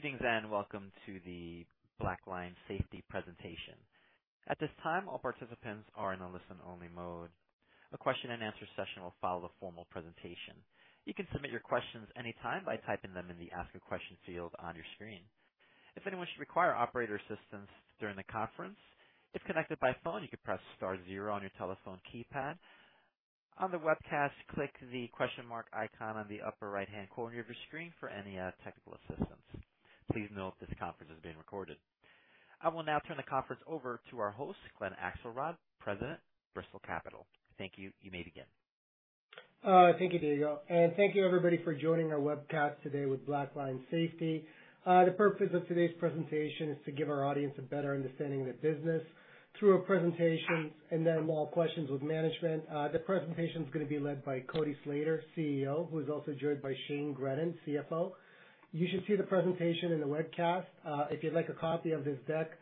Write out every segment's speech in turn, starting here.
Greetings, welcome to the Blackline Safety presentation. At this time, all participants are in a listen-only mode. A question-and-answer session will follow the formal presentation. You can submit your questions anytime by typing them in the Ask a Question field on your screen. If anyone should require operator assistance during the conference, if connected by phone, you can press star zero on your telephone keypad. On the webcast, click the question mark icon on the upper right-hand corner of your screen for any technical assistance. Please note that the conference is being recorded. I will now turn the conference over to our host, Glen Akselrod, President, Bristol Capital. Thank you. You may begin. Thank you, Diego, and thank you, everybody, for joining our webcast today with Blackline Safety. The purpose of today's presentation is to give our audience a better understanding of the business through a presentation and then more questions with management. The presentation is going to be led by Cody Slater, CEO, who is also joined by Shane Grennan, CFO. You should see the presentation in the webcast. If you'd like a copy of this deck,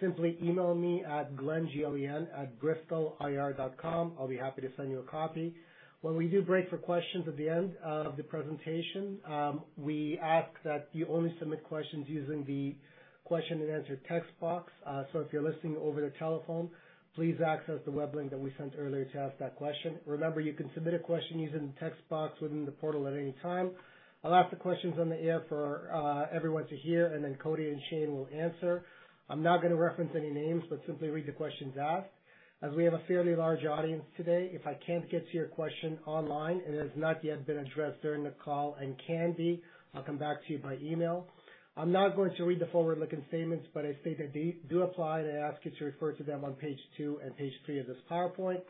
simply email me at glen@bristolir.com. I'll be happy to send you a copy. When we do break for questions at the end of the presentation, we ask that you only submit questions using the question-and-answer text box. If you're listening over the telephone, please access the web link that we sent earlier to ask that question. Remember, you can submit a question using the text box within the portal at any time. I'll ask the questions on the air for everyone to hear, and then Cody and Shane will answer. I'm not going to reference any names, but simply read the questions asked. As we have a fairly large audience today, if I can't get to your question online, and it has not yet been addressed during the call and can be, I'll come back to you by email. I'm not going to read the forward-looking statements, but I state that they do apply, and I ask you to refer to them on page two and page three of this PowerPoint.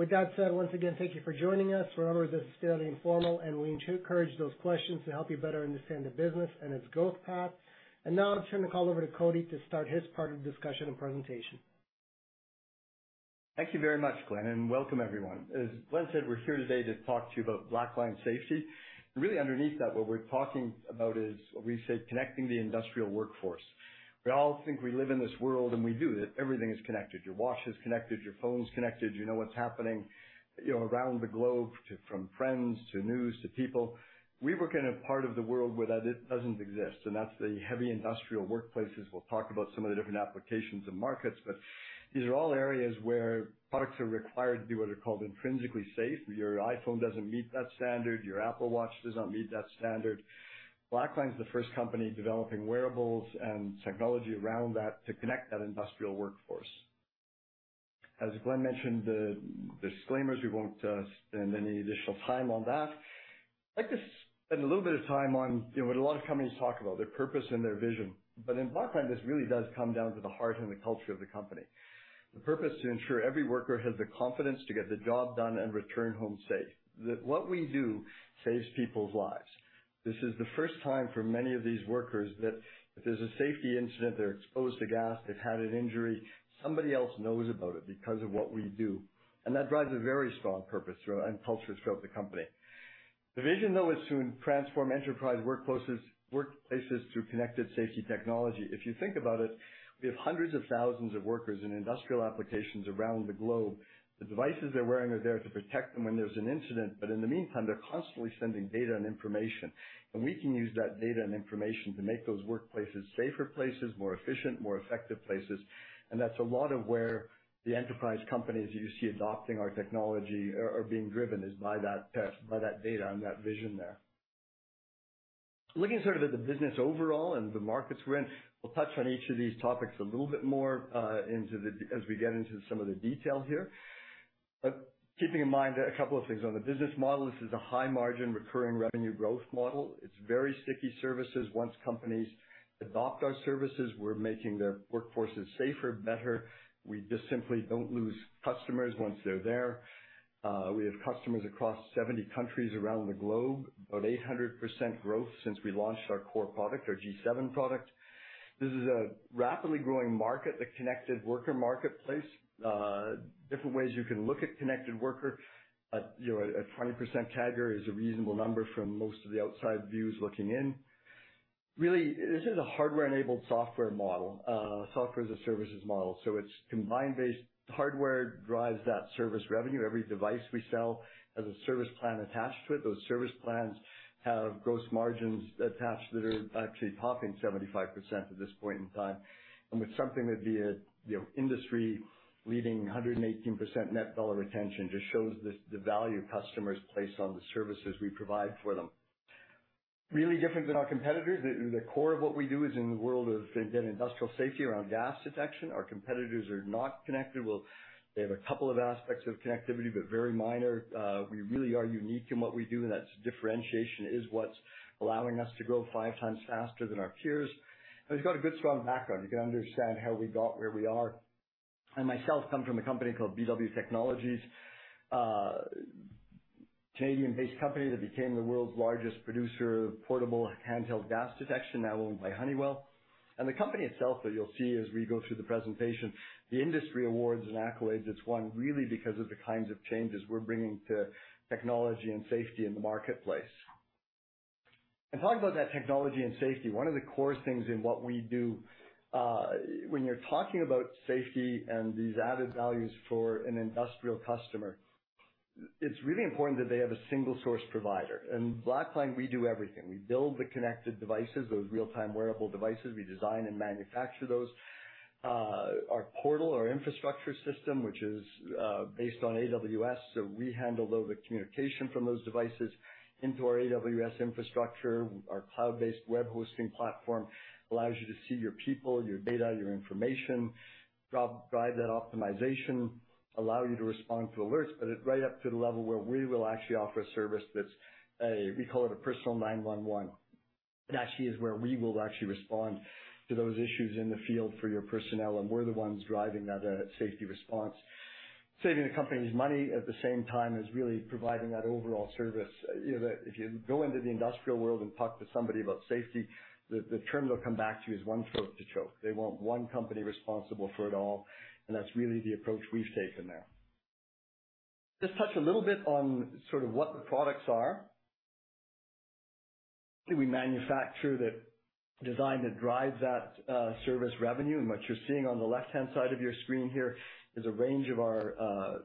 With that said, once again, thank you for joining us. Remember, this is fairly informal, and we encourage those questions to help you better understand the business and its growth path. Now I'll turn the call over to Cody to start his part of the discussion and presentation. Thank you very much, Glen, and welcome, everyone. As Glen said, we're here today to talk to you about Blackline Safety. Really underneath that, what we're talking about is, we say, connecting the industrial workforce. We all think we live in this world, and we do, that everything is connected. Your watch is connected, your phone's connected. You know what's happening, you know, around the globe, to, from friends, to news, to people. We work in a part of the world where that it doesn't exist, and that's the heavy industrial workplaces. We'll talk about some of the different applications and markets, but these are all areas where products are required to be what are called intrinsically safe. Your iPhone doesn't meet that standard. Your Apple Watch does not meet that standard. Blackline is the first company developing wearables and technology around that to connect that industrial workforce. As Glen mentioned, the disclaimers, we won't spend any additional time on that. I'd like to spend a little bit of time on, you know, what a lot of companies talk about, their purpose and their vision. In Blackline, this really does come down to the heart and the culture of the company. The purpose is to ensure every worker has the confidence to get the job done and return home safe. What we do saves people's lives. This is the first time for many of these workers that if there's a safety incident, they're exposed to gas, they've had an injury, somebody else knows about it because of what we do, and that drives a very strong purpose through and culture throughout the company. The vision, though, is to transform enterprise workplaces through connected safety technology. If you think about it, we have hundreds of thousands of workers in industrial applications around the globe. The devices they're wearing are there to protect them when there's an incident. In the meantime, they're constantly sending data and information. We can use that data and information to make those workplaces safer places, more efficient, more effective places. That's a lot of where the enterprise companies you see adopting our technology are being driven is by that test, by that data and that vision there. Looking sort of at the business overall and the markets we're in, we'll touch on each of these topics a little bit more as we get into some of the detail here. Keeping in mind a couple of things. On the business model, this is a high-margin, recurring revenue growth model. It's very sticky services. Once companies adopt our services, we're making their workforces safer, better. We just simply don't lose customers once they're there. We have customers across 70 countries around the globe, about 800% growth since we launched our core product, our G7 product. This is a rapidly growing market, the connected worker marketplace. Different ways you can look at connected worker, you know, a 20% CAGR is a reasonable number from most of the outside views looking in. Really, this is a hardware-enabled software model, software-as-a-services model. Hardware drives that service revenue. Every device we sell has a service plan attached to it. Those service plans have gross margins attached that are actually topping 75% at this point in time. With something that'd be a, you know, industry-leading 118% net dollar retention, just shows the value customers place on the services we provide for them. Really different than our competitors. The, the core of what we do is in the world of, again, industrial safety around gas detection. Our competitors are not connected well. They have a couple of aspects of connectivity, but very minor. We really are unique in what we do, and that differentiation is what's allowing us to grow 5x faster than our peers. It's got a good, strong background. You can understand how we got where we are. I myself come from a company called BW Technologies, Canadian-based company that became the world's largest producer of portable handheld gas detection, now owned by Honeywell. The company itself, that you'll see as we go through the presentation, the industry awards and accolades it's won, really because of the kinds of changes we're bringing to technology and safety in the marketplace. Talking about that technology and safety, one of the core things in what we do, when you're talking about safety and these added values for an industrial customer. It's really important that they have a single source provider. Blackline, we do everything. We build the connected devices, those real-time wearable devices, we design and manufacture those. Our portal, our infrastructure system, which is based on AWS. We handle all the communication from those devices into our AWS infrastructure. Our cloud-based web hosting platform allows you to see your people, your data, your information, drive that optimization, allow you to respond to alerts, but it's right up to the level where we will actually offer a service that's, we call it a personal 911. It actually is where we will actually respond to those issues in the field for your personnel, and we're the ones driving that, safety response, saving the company's money at the same time as really providing that overall service. You know, that if you go into the industrial world and talk to somebody about safety, the term they'll come back to you is one throat to choke. They want one company responsible for it all, and that's really the approach we've taken there. Just touch a little bit on sort of what the products are. We manufacture the design that drives that, service revenue. What you're seeing on the left-hand side of your screen here is a range of our,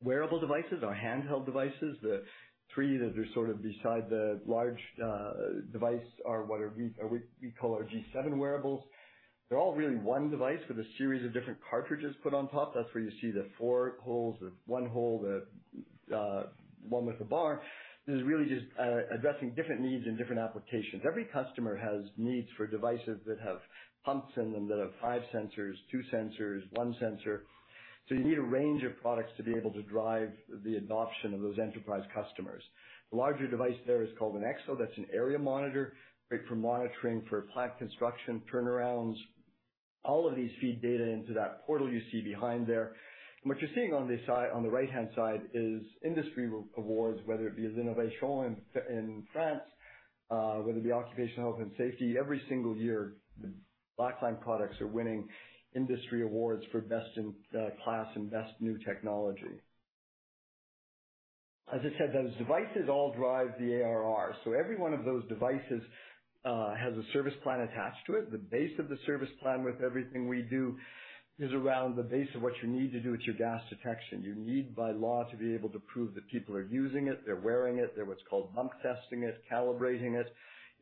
wearable devices, our handheld devices. The three that are sort of beside the large, device are what we call our G7 wearables. They're all really one device with a series of different cartridges put on top. That's where you see the four holes or one hole, the, one with the bar. This is really just, addressing different needs and different applications. Every customer has needs for devices that have pumps in them, that have five sensors, two sensors, one sensor. You need a range of products to be able to drive the adoption of those enterprise customers. The larger device there is called an EXO. That's an area monitor, great for monitoring, for plant construction, turnarounds. All of these feed data into that portal you see behind there. What you're seeing on this side, on the right-hand side, is industry awards, whether it be the Innovation in France, whether it be occupational health and safety. Every single year, Blackline products are winning industry awards for best in class and best new technology. As I said, those devices all drive the ARR, every one of those devices has a service plan attached to it. The base of the service plan with everything we do is around the base of what you need to do with your gas detection. You need, by law, to be able to prove that people are using it, they're wearing it, they're what's called bump testing it, calibrating it.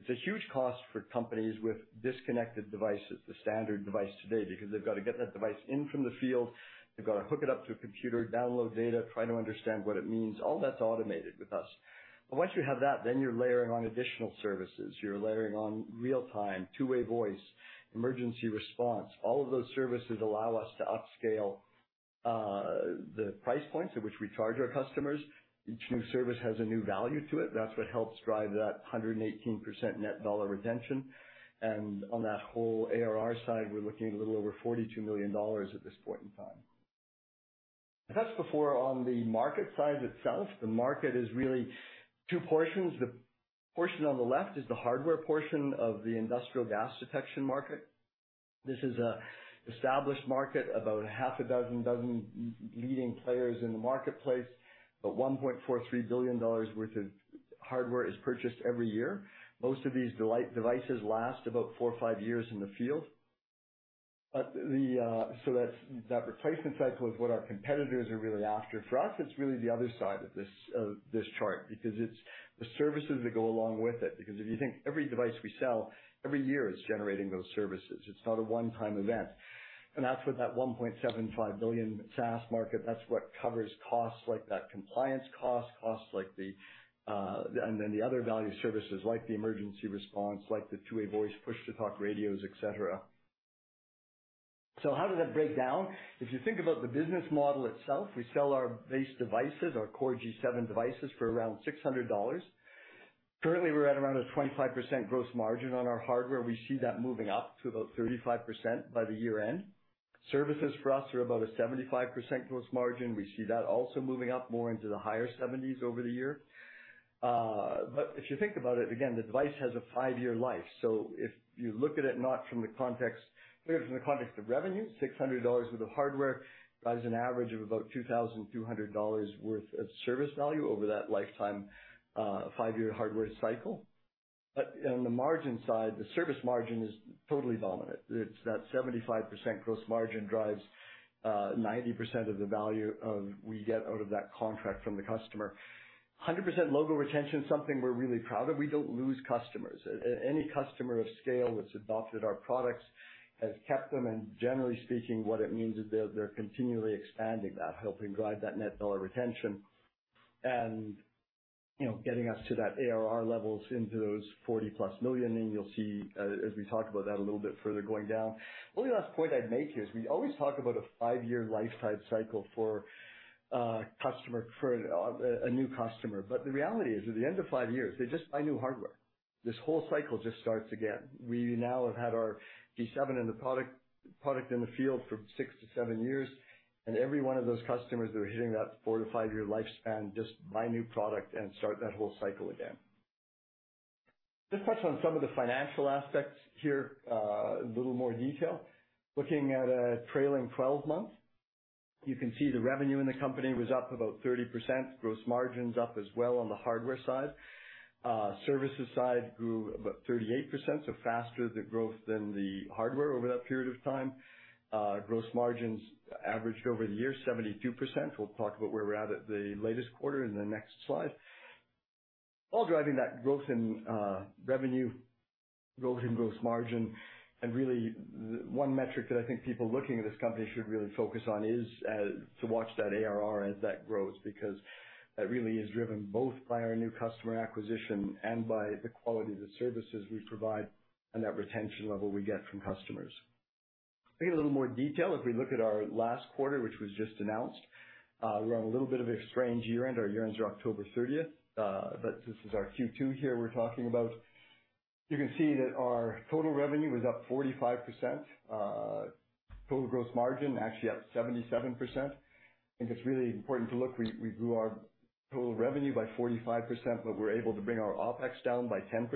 It's a huge cost for companies with disconnected devices, the standard device today, because they've got to get that device in from the field. They've got to hook it up to a computer, download data, try to understand what it means. All that's automated with us. Once you have that, then you're layering on additional services. You're layering on real time, two-way voice, emergency response. All of those services allow us to upscale the price points at which we charge our customers. Each new service has a new value to it. That's what helps drive that 118% net dollar retention. On that whole ARR side, we're looking at a little over 42 million dollars at this point in time. I touched before on the market size itself. The market is really two portions. The portion on the left is the hardware portion of the industrial gas detection market. This is an established market, about half a dozen leading players in the marketplace. 1.43 billion dollars worth of hardware is purchased every year. Most of these devices last about four or five years in the field. That replacement cycle is what our competitors are really after. For us, it's really the other side of this chart, because it's the services that go along with it. If you think every device we sell, every year is generating those services, it's not a one-time event. That's what that 1.75 billion SaaS market, that's what covers costs like that compliance cost, costs like the, and then the other value services, like the emergency response, like the two-way voice, push-to-talk radios, et cetera. How does that break down? If you think about the business model itself, we sell our base devices, our core G7 devices, for around 600 dollars. Currently, we're at around a 25% gross margin on our hardware. We see that moving up to about 35% by the year end. Services for us are about a 75% gross margin. We see that also moving up more into the higher 70s over the year. If you think about it, again, the device has a 5-year life, if you look at it, not from the context... Clear from the context of revenue, 600 dollars worth of hardware drives an average of about 2,200 dollars worth of service value over that lifetime, 5-year hardware cycle. On the margin side, the service margin is totally dominant. It's that 75% gross margin drives 90% of the value of we get out of that contract from the customer. 100% logo retention is something we're really proud of. We don't lose customers. Any customer of scale that's adopted our products, has kept them, and generally speaking, what it means is they're continually expanding that, helping drive that net dollar retention. You know, getting us to that ARR levels, into those 40+ million, and you'll see as we talk about that a little bit further going down. Only last point I'd make here is we always talk about a five-year lifetime cycle for a new customer. The reality is, at the end of five years, they just buy new hardware. This whole cycle just starts again. We now have had our G7 and the product in the field for 6 to 7 years, and every one of those customers that are hitting that 4 to 5-year lifespan, just buy new product and start that whole cycle again. Touch on some of the financial aspects here, a little more detail. Looking at a trailing 12 months, you can see the revenue in the company was up about 30%, gross margins up as well on the hardware side. Services side grew about 38%, so faster the growth than the hardware over that period of time. Gross margins averaged over the year, 72%. We'll talk about where we're at at the latest quarter in the next slide. All driving that growth in revenue, growth in gross margin, and really, the one metric that I think people looking at this company should really focus on is to watch that ARR as that grows, because that really is driven both by our new customer acquisition and by the quality of the services we provide, and that retention level we get from customers. Maybe a little more detail. If we look at our last quarter, which was just announced, we're on a little bit of a strange year-end. Our year-ends are October 30th, but this is our Q2 here we're talking about. You can see that our total revenue was up 45%. Total gross margin actually up 77%. I think it's really important to look, we grew our total revenue by 45%, but we're able to bring our OpEx down by 10%.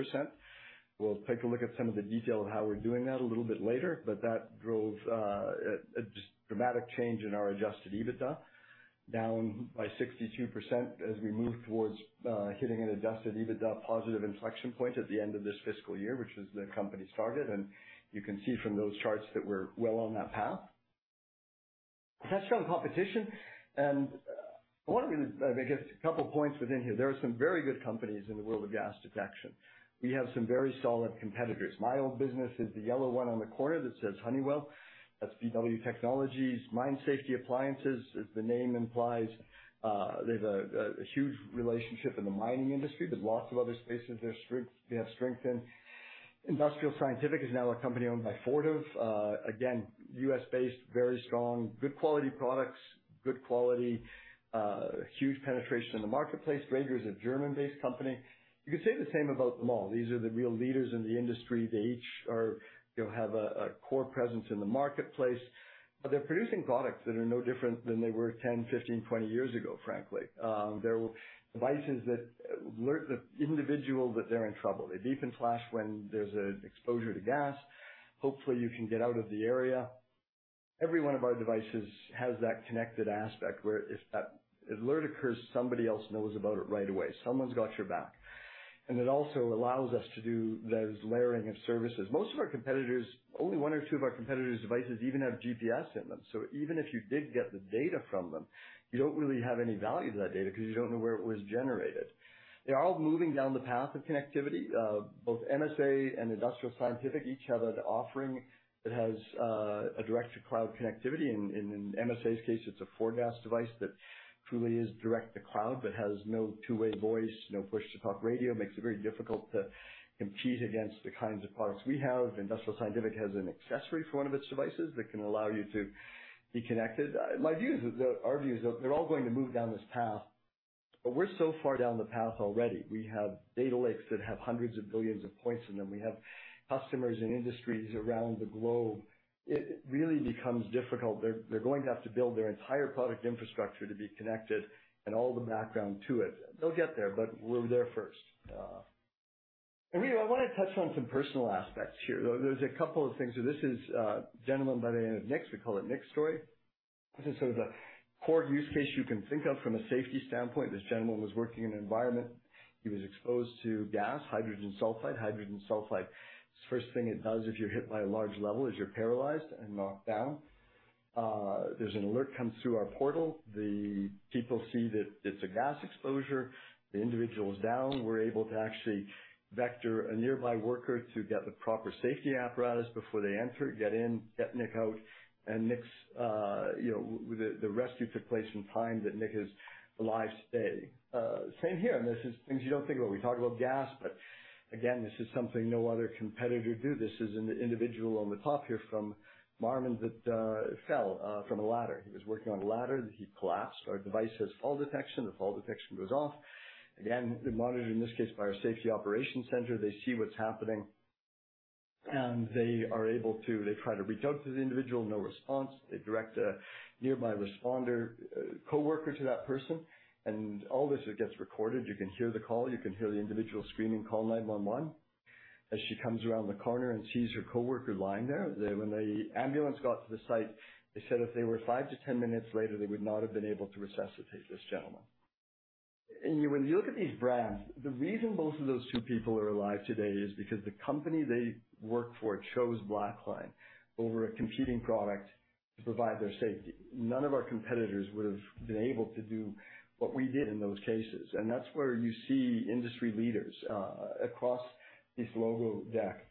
We'll take a look at some of the detail of how we're doing that a little bit later, but that drove a just dramatic change in our adjusted EBITDA, down by 62% as we move towards hitting an adjusted EBITDA positive inflection point at the end of this fiscal year, which is the company's target. You can see from those charts that we're well on that path. We have strong competition, and I wanted to make just a couple points within here. There are some very good companies in the world of gas detection. We have some very solid competitors. My old business is the yellow one on the corner that says Honeywell. That's BW Technologies. Mine Safety Appliances, as the name implies, they have a huge relationship in the mining industry, but lots of other spaces they have strength in. Industrial Scientific is now a company owned by Fortive. Again, US-based, very strong, good quality products, good quality, huge penetration in the marketplace. Dräger is a German-based company. You could say the same about them all. These are the real leaders in the industry. They each are, you know, have a core presence in the marketplace, but they're producing products that are no different than they were 10, 15, 20 years ago, frankly. They're devices that alert the individual that they're in trouble. They beep and flash when there's an exposure to gas. Hopefully, you can get out of the area. Every one of our devices has that connected aspect, where if that alert occurs, somebody else knows about it right away. Someone's got your back. It also allows us to do those layering of services. Most of our competitors, only one or two of our competitors' devices even have GPS in them. Even if you did get the data from them, you don't really have any value to that data because you don't know where it was generated. They're all moving down the path of connectivity. Both MSA and Industrial Scientific each have an offering that has a direct-to-cloud connectivity. In MSA's case, it's a four-gas device that truly is direct-to-cloud, but has no two-way voice, no push-to-talk radio. Makes it very difficult to compete against the kinds of products we have. Industrial Scientific has an accessory for one of its devices that can allow you to be connected. Our view is that they're all going to move down this path, we're so far down the path already. We have data lakes that have hundreds of billions of points in them. We have customers in industries around the globe. It really becomes difficult. They're going to have to build their entire product infrastructure to be connected and all the background to it. They'll get there, but we're there first. Here, I want to touch on some personal aspects here, though. There's a couple of things. This is a gentleman by the name of Nick. We call it Nick's story. This is sort of the core use case you can think of from a safety standpoint. This gentleman was working in an environment. He was exposed to gas, hydrogen sulfide. Hydrogen sulfide, the first thing it does if you're hit by a large level, is you're paralyzed and knocked down. There's an alert comes through our portal. The people see that it's a gas exposure. The individual is down. We're able to actually vector a nearby worker to get the proper safety apparatus before they enter, get in, get Nick out, and Nick's, you know, the rescue took place in time that Nick is alive today. Same here. This is things you don't think about. We talk about gas. Again, this is something no other competitor do. This is an individual on the top here from Marmon that fell from a ladder. He was working on a ladder. He collapsed. Our device has fall detection. The fall detection goes off. We're monitored, in this case, by our Safety Operations Center. They see what's happening. They try to reach out to the individual. No response. They direct a nearby responder, coworker, to that person. All this gets recorded. You can hear the call. You can hear the individual screaming, "Call 911!" As she comes around the corner and sees her coworker lying there. When the ambulance got to the site, they said if they were 5-10 minutes later, they would not have been able to resuscitate this gentleman. When you look at these brands, the reason both of those two people are alive today is because the company they work for chose Blackline Safety over a competing product to provide their safety. None of our competitors would have been able to do what we did in those cases, that's where you see industry leaders across this logo deck.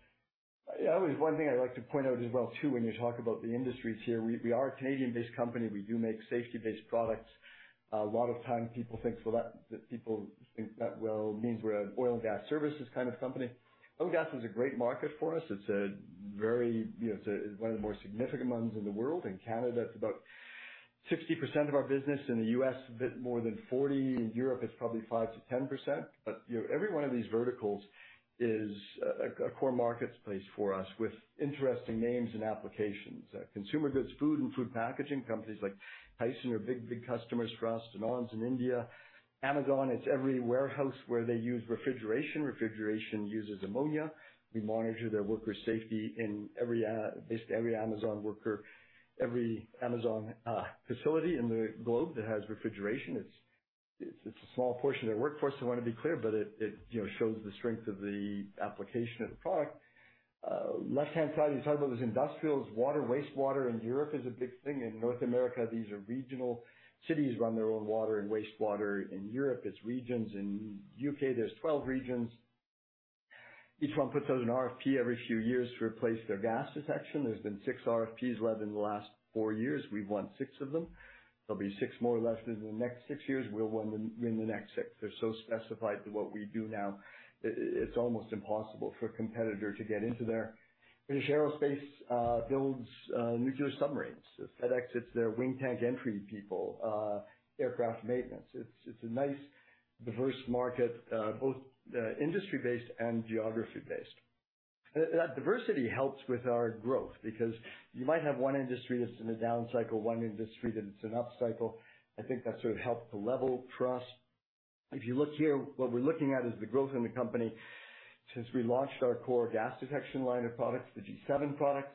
One thing I'd like to point out as well, too, when you talk about the industries here, we are a Canadian-based company. We do make safety-based products. A lot of time, people think, well, that people think that, well, means we're an oil and gas services kind of company. Oil and gas is a great market for us. It's a very, you know, it's one of the more significant ones in the world. In Canada, it's about 60% of our business. In the U.S., a bit more than 40%. In Europe, it's probably 5%-10%. You know, every one of these verticals is a core marketplace for us with interesting names and applications. Consumer goods, food and food packaging, companies like Tyson are big, big customers for us. Danone's in India. Amazon, it's every warehouse where they use refrigeration. Refrigeration uses ammonia. We monitor their worker safety in every basically, every Amazon worker, every Amazon facility in the globe that has refrigeration, It's a small portion of their workforce, I wanna be clear, but it, you know, shows the strength of the application of the product. Left-hand side, you talk about those industrials, water, wastewater in Europe is a big thing. In North America, these are regional. Cities run their own water and wastewater. In Europe, it's regions. In UK, there's 12 regions. Each one puts out an RFP every few years to replace their gas detection. There's been six RFPs led in the last four years. We've won six of them. There'll be six more or less within the next six years. We'll win the next six. They're so specified to what we do now, it's almost impossible for a competitor to get into there. British Aerospace builds nuclear submarines. FedEx, it's their wing tank entry people, aircraft maintenance. It's a nice, diverse market, both industry-based and geography-based. That diversity helps with our growth because you might have one industry that's in a down cycle, one industry that's in an up cycle. I think that sort of helped to level trust. If you look here, what we're looking at is the growth in the company since we launched our core gas detection line of products, the G7 products.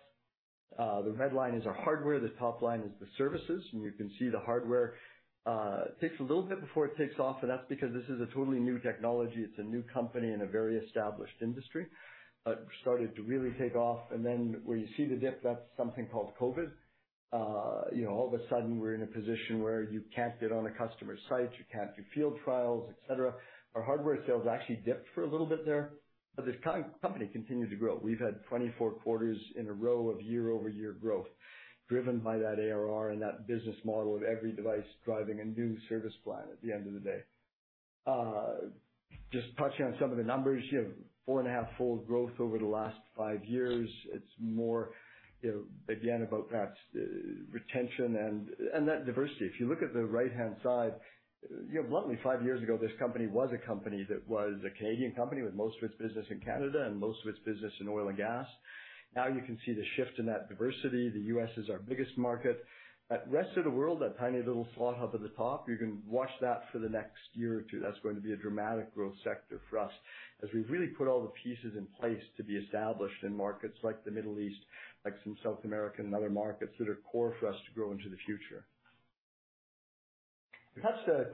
The red line is our hardware, the top line is the services. You can see the hardware takes a little bit before it takes off, and that's because this is a totally new technology. It's a new company in a very established industry. Started to really take off, and then where you see the dip, that's something called COVID. You know, all of a sudden, we're in a position where you can't get on a customer site, you can't do field trials, et cetera. Our hardware sales actually dipped for a little bit there, but this company continued to grow. We've had 24 quarters in a row of year-over-year growth, driven by that ARR and that business model of every device driving a new service plan at the end of the day. Just touching on some of the numbers, you know, 4.5-fold growth over the last five years. It's more, you know, again, about that retention and that diversity. If you look at the right-hand side, you know, bluntly, five years ago, this company was a company that was a Canadian company with most of its business in Canada and most of its business in oil and gas. You can see the shift in that diversity. The US is our biggest market. That rest of the world, that tiny little slough up at the top, you can watch that for the next year or two. That's going to be a dramatic growth sector for us, as we've really put all the pieces in place to be established in markets like the Middle East, like some South American and other markets that are core for us to grow into the future. Touched a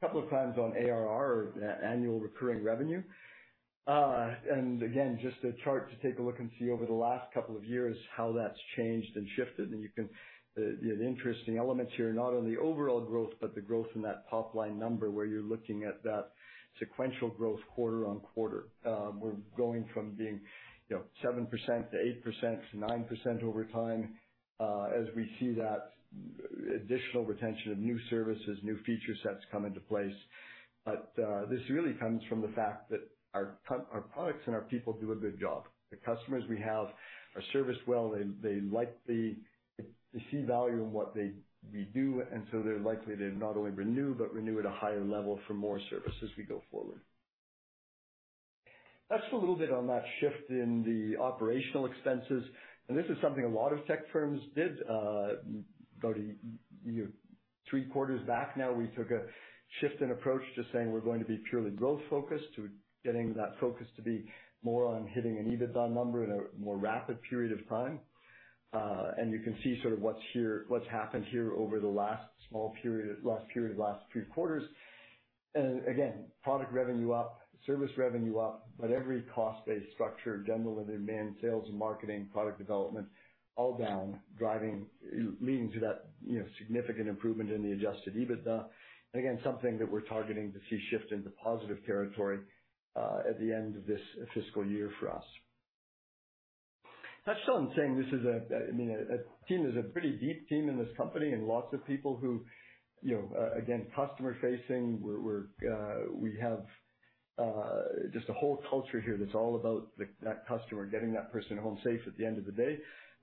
couple of times on ARR, or annual recurring revenue. Again, just a chart to take a look and see over the last couple of years how that's changed and shifted. You know, the interesting elements here are not only the overall growth, but the growth in that top-line number, where you're looking at that sequential growth quarter-on-quarter. We're going from being, you know, 7% to 8% to 9% over time, as we see that additional retention of new services, new feature sets come into place. This really comes from the fact that our products and our people do a good job. The customers we have are serviced well. They likely to see value in what we do, they're likely to not only renew, but renew at a higher level for more services as we go forward. Just a little bit on that shift in the operational expenses, this is something a lot of tech firms did. Go to you, three quarters back now, we took a shift in approach to saying we're going to be purely growth focused, to getting that focus to be more on hitting an EBITDA number in a more rapid period of time. You can see sort of what's here, what's happened here over the last small period, last period, last three quarters. Again, product revenue up, service revenue up, but every cost base structure, general and admin, sales and marketing, product development, all down, leading to that, you know, significant improvement in the adjusted EBITDA. Again, something that we're targeting to see shift into positive territory at the end of this fiscal year for us. Touch on saying this is a, I mean, a team, there's a pretty deep team in this company and lots of people who, you know, again, customer facing. We have just a whole culture here that's all about that customer, getting that person home safe at the end of the day,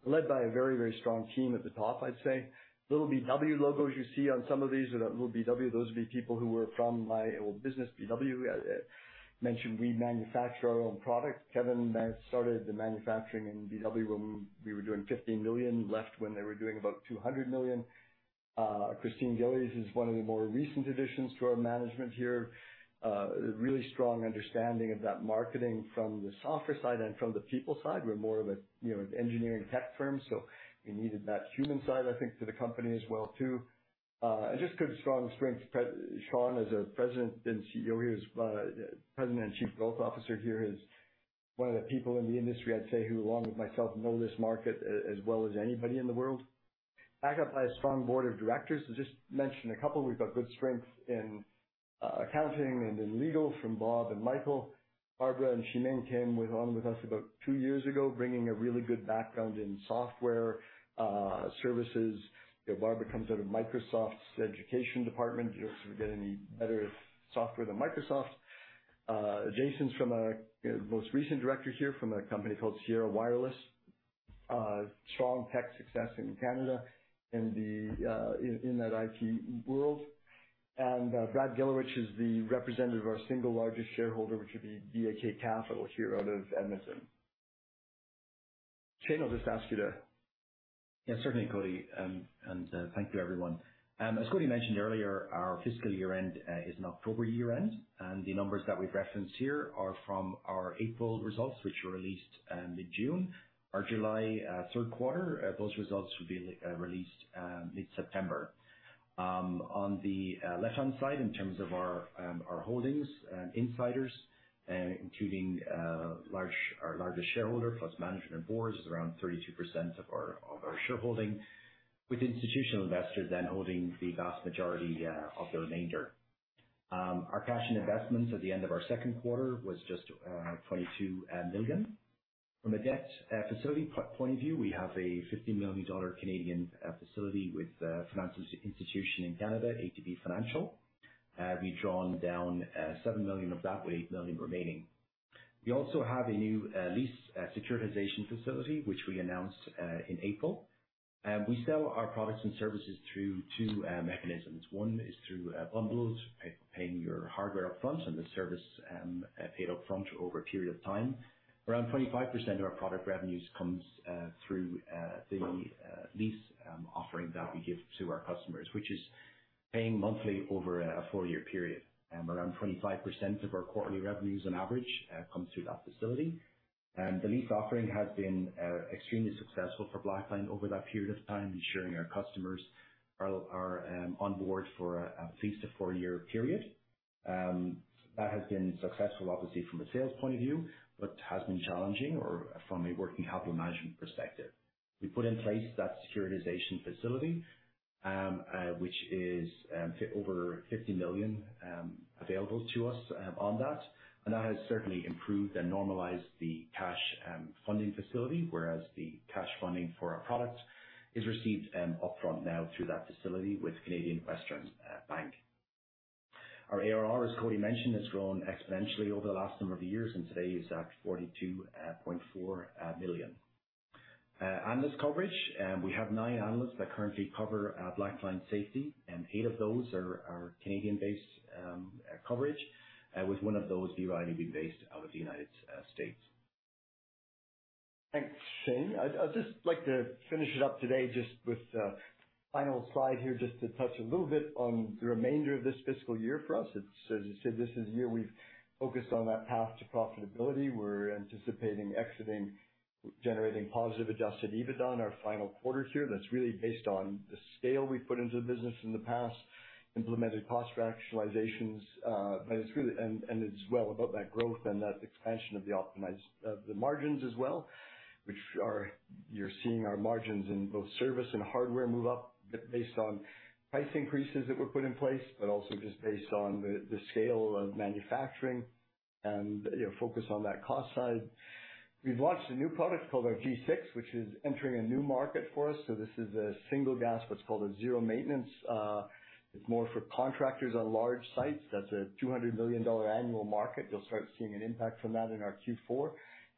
led by a very, very strong team at the top, I'd say. Little BW logos you see on some of these, are that little BW, those would be people who were from my old business, BW. Mentioned we manufacture our own product. Kevin started the manufacturing in BW when we were doing 15 million, left when they were doing about 200 million. Christine Gillies is one of the more recent additions to our management here. A really strong understanding of that marketing from the software side and from the people side. We're more of a, you know, engineering tech firm, so we needed that human side, I think, to the company as well, too. Just good, strong strength, Pre- Sean, as a President and CEO, he is President and Chief Growth Officer here. He's one of the people in the industry, I'd say, who, along with myself, know this market as well as anybody in the world. Backed up by a strong board of directors. Just mention a couple. We've got good strength in accounting and in legal from Bob and Michael. Barbara and Cheemin came with, on with us about two years ago, bringing a really good background in software services. Barbara comes out of Microsoft's education department. You're not gonna get any better software than Microsoft. Jason's from a most recent director here from a company called Sierra Wireless. Strong tech success in Canada, in the in that IT world. Brad Gilewich is the representative of our single largest shareholder, which would be BAK Capital here out of Edmonton. Shane, I'll just ask you Yeah, certainly, Cody. Thank you, everyone. As Cody mentioned earlier, our fiscal year end is an October year end. The numbers that we've referenced here are from our April results, which were released mid-June. Our July third quarter, those results will be released mid-September. On the left-hand side, in terms of our holdings and insiders, including our largest shareholder, plus management and boards, is around 32% of our shareholding, with institutional investors holding the vast majority of the remainder. Our cash and investments at the end of our second quarter was just 22 million. From a debt facility point of view, we have a 50 million Canadian dollars facility with a financial institution in Canada, ATB Financial. We've drawn down 7 million of that, with 8 million remaining. We also have a new lease securitization facility, which we announced in April. We sell our products and services through two mechanisms. One is through bundles, paying your hardware upfront and the service paid upfront over a period of time. Around 25% of our product revenues comes through the lease offering that we give to our customers, which is paying monthly over a four-year period. Around 25% of our quarterly revenues on average come through that facility. The lease offering has been extremely successful for Blackline over that period of time, ensuring our customers are on board for at least a four-year period. That has been successful, obviously from a sales point of view, but has been challenging or from a working capital management perspective. We put in place that securitization facility, which is over 50 million available to us on that, and that has certainly improved and normalized the cash funding facility, whereas the cash funding for our products is received upfront now through that facility with Canadian Western Bank. Our ARR, as Cody mentioned, has grown exponentially over the last number of years, and today is at 42.4 million. Analyst coverage, we have nine analysts that currently cover Blackline Safety, and eight of those are Canadian-based coverage with one of those being based out of the United States. Thanks, Shane. I'd just like to finish it up today with the final slide here, to touch a little bit on the remainder of this fiscal year for us. As you said, this is a year we've focused on that path to profitability. We're anticipating exiting generating positive adjusted EBITDA in our final quarter here. That's really based on the scale we've put into the business in the past, implemented cost rationalizations. It's well above that growth and that expansion of the optimized margins as well, which are, you're seeing our margins in both service and hardware move up, based on price increases that were put in place, but also just based on the scale of manufacturing and, you know, focus on that cost side. We've launched a new product called our G6, which is entering a new market for us. This is a single gas, what's called a zero maintenance. It's more for contractors on large sites. That's a 200 million dollar annual market. You'll start seeing an impact from that in our Q4,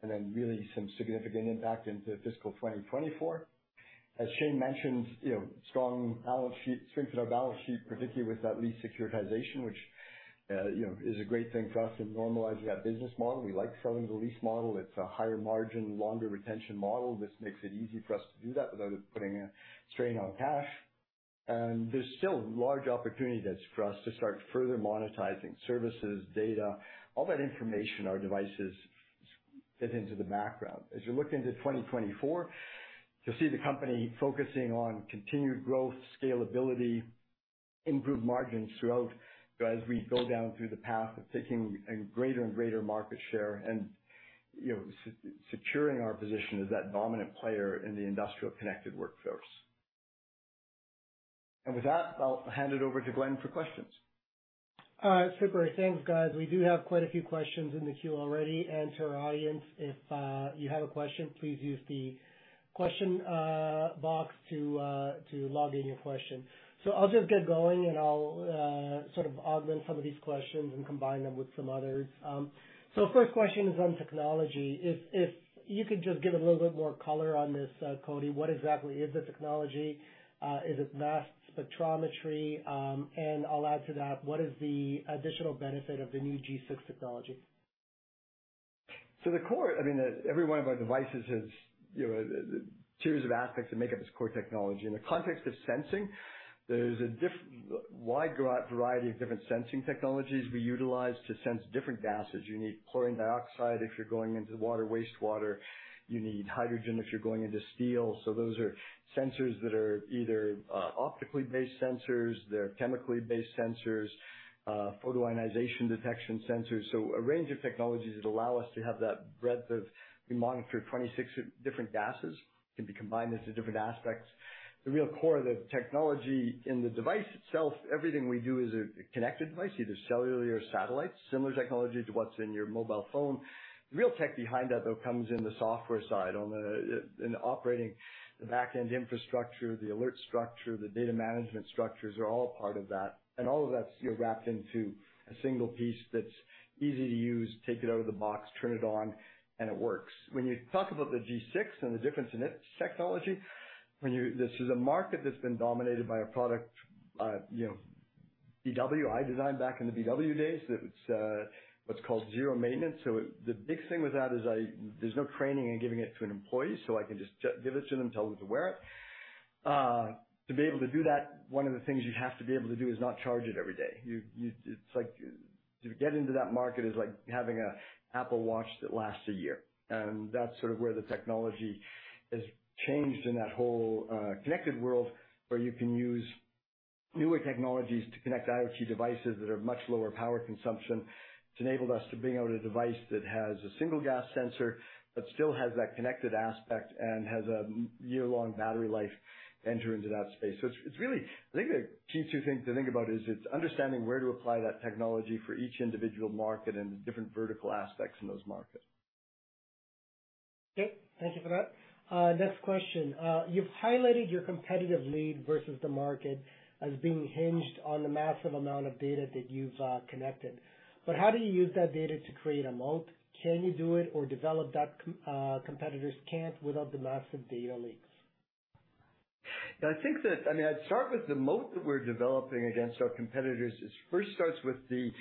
then really some significant impact into fiscal 2024. As Shane mentioned, you know, strong balance sheet, strength in our balance sheet, particularly with that lease securitization, which, you know, is a great thing for us in normalizing that business model. We like selling the lease model. It's a higher margin, longer retention model. This makes it easy for us to do that without it putting a strain on cash. There's still large opportunities for us to start further monetizing services, data, all that information our devices fit into the background. As you look into 2024, you'll see the company focusing on continued growth, scalability, improved margins throughout as we go down through the path of taking a greater and greater market share and, you know, securing our position as that dominant player in the industrial connected workforce. With that, I'll hand it over to Glen for questions. Super. Thanks, guys. We do have quite a few questions in the queue already. To our audience, if you have a question, please use the question box to log in your question. I'll just get going, and I'll sort of augment some of these questions and combine them with some others. First question is on technology. If you could just give a little bit more color on this, Cody, what exactly is the technology? Is it mass spectrometry? I'll add to that: What is the additional benefit of the new G6 technology? The core, I mean, every one of our devices has, you know, series of aspects that make up its core technology. In the context of sensing, there's a wide variety of different sensing technologies we utilize to sense different gases. You need chlorine dioxide if you're going into water, wastewater. You need hydrogen if you're going into steel. Those are sensors that are either optically based sensors, they're chemically based sensors, photoionization detection sensors. A range of technologies that allow us to have that breadth of. We monitor 26 different gases, can be combined into different aspects. The real core of the technology in the device itself, everything we do is a connected device, either cellular or satellite, similar technology to what's in your mobile phone. The real tech behind that, though, comes in the software side, on the, in the operating the back-end infrastructure, the alert structure, the data management structures are all part of that. All of that's, you know, wrapped into a single piece that's easy to use, take it out of the box, turn it on, and it works. When you talk about the G6 and the difference in its technology, this is a market that's been dominated by a product, you know, BW, I designed back in the BW days. It's what's called zero maintenance. The big thing with that is, there's no training in giving it to an employee, so I can just give it to them, tell them to wear it. To be able to do that, one of the things you have to be able to do is not charge it every day. You, it's like, to get into that market is like having a Apple Watch that lasts a year, and that's sort of where the technology has changed in that whole connected world, where you can use newer technologies to connect IoT devices that have much lower power consumption. It's enabled us to bring out a device that has a single gas sensor, but still has that connected aspect and has a year-long battery life enter into that space. It's really, I think, the key two things to think about is it's understanding where to apply that technology for each individual market and the different vertical aspects in those markets. Okay, thank you for that. Next question. You've highlighted your competitive lead versus the market as being hinged on the massive amount of data that you've connected. How do you use that data to create a moat? Can you do it or develop that competitors can't without the massive data lakes? Yeah, I mean, I'd start with the moat that we're developing against our competitors is first starts with the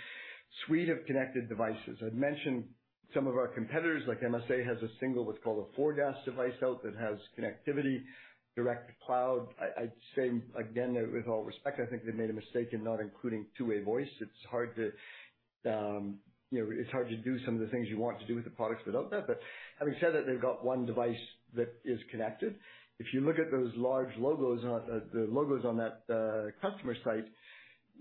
suite of connected devices. I've mentioned some of our competitors, like MSA, has a single, what's called a four gas device out that has connectivity, direct-to-cloud. I'd say again, with all respect, I think they made a mistake in not including two-way voice. It's hard to, you know, it's hard to do some of the things you want to do with the products without that. Having said that, they've got one device that is connected. If you look at those large logos on the logos on that customer site,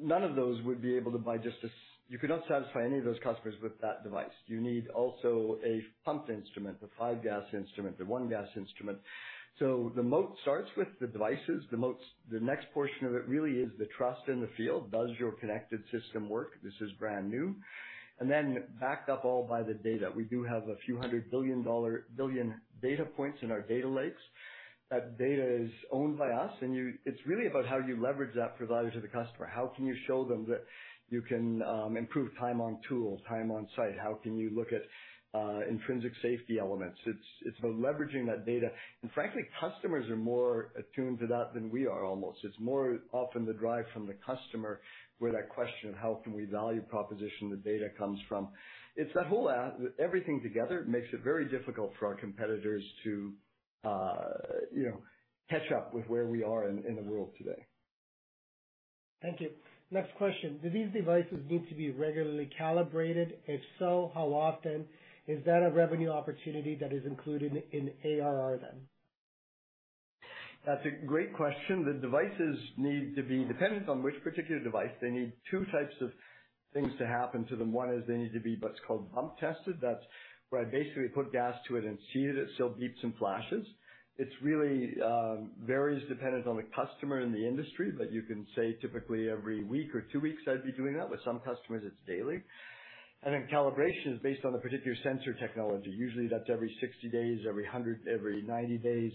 none of those would be able to buy just you could not satisfy any of those customers with that device. You need also a pump instrument, the five gas instrument, the one gas instrument. The moat starts with the devices, the next portion of it really is the trust in the field. Does your connected system work? This is brand new. Then backed up all by the data. We do have a few 100 billion dollar, billion data points in our data lakes. That data is owned by us, it's really about how you leverage that provider to the customer. How can you show them that you can improve time on tool, time on site? How can you look at intrinsic safety elements? It's about leveraging that data, and frankly, customers are more attuned to that than we are almost. It's more often the drive from the customer where that question of how can we value proposition the data comes from. It's that whole everything together makes it very difficult for our competitors to, you know, catch up with where we are in the world today. Thank you. Next question: Do these devices need to be regularly calibrated? If so, how often? Is that a revenue opportunity that is included in ARR, then? That's a great question. The devices need to be, dependent on which particular device, they need two types of things to happen to them. One is they need to be what's called bump tested. That's where I basically put gas to it and see that it still beeps and flashes. It's really, varies depending on the customer and the industry, but you can say typically every week or two weeks, I'd be doing that. With some customers, it's daily. Calibration is based on the particular sensor technology. Usually, that's every 60 days, every 100, every 90 days.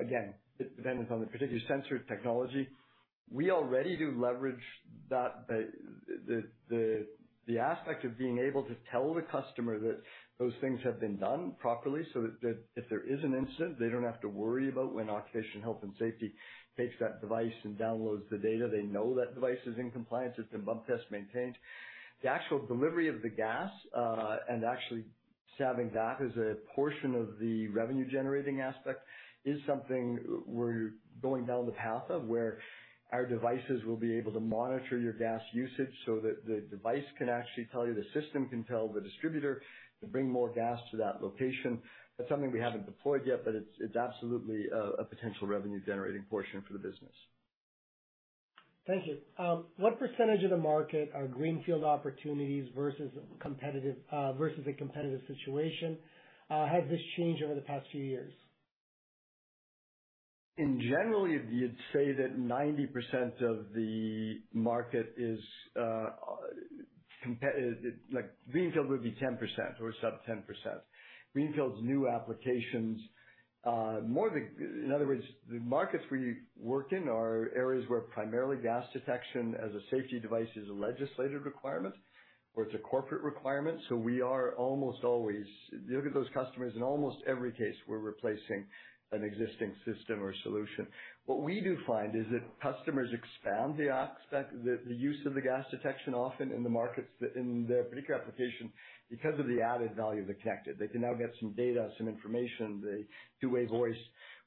Again, it depends on the particular sensor technology. We already do leverage that, the aspect of being able to tell the customer that those things have been done properly, so that if there is an incident, they don't have to worry about when occupation health and safety takes that device and downloads the data. They know that device is in compliance. It's been bump test maintained. The actual delivery of the gas, and actually having that as a portion of the revenue generating aspect is something we're going down the path of, where our devices will be able to monitor your gas usage so that the device can actually tell you, the system can tell the distributor to bring more gas to that location. That's something we haven't deployed yet, but it's absolutely a potential revenue-generating portion for the business. Thank you. What percentage of the market are greenfield opportunities versus competitive, versus a competitive situation? Has this changed over the past few years? In general, you'd say that 90% of the market is, competi- like, greenfield would be 10% or sub 10%. Greenfield's new applications. In other words, the markets we work in are areas where primarily gas detection as a safety device is a legislative requirement or it's a corporate requirement, so we are almost always. If you look at those customers, in almost every case, we're replacing an existing system or solution. What we do find is that customers expand the use of the gas detection, often in the markets, in their particular application, because of the added value of the connected. They can now get some data, some information, the two-way voice.